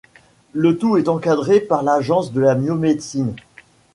Le tout est encadré par l'Agence de la biomédecine.